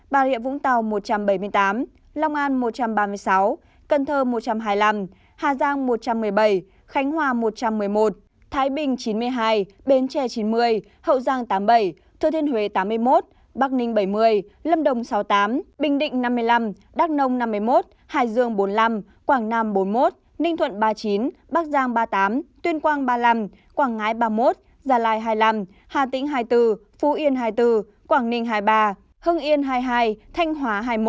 bà liệ vũng tàu một trăm bảy mươi tám lòng an một trăm ba mươi sáu cần thơ một trăm hai mươi năm hà giang một trăm một mươi bảy khánh hòa một trăm một mươi một thái bình chín mươi hai bến tre chín mươi hậu giang tám mươi bảy thừa thiên huế tám mươi một bắc ninh bảy mươi lâm đồng sáu mươi tám bình định năm mươi năm đắk nông năm mươi một hải dương bốn mươi năm quảng nam bốn mươi một ninh thuận ba mươi chín bắc giang ba mươi tám tuyên quang ba mươi năm quảng ngãi ba mươi một gia lai hai mươi năm hà tĩnh hai mươi bốn phú yên hai mươi bốn quảng ninh hai mươi ba